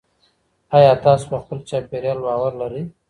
آيا تاسو په خپل چاپېريال باور لرئ؟